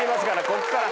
こっから。